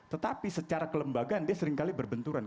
tetapi secara kelembagaan dia seringkali berbenturan